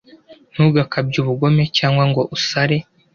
ntugakabye ubugome cyangwa ngo usare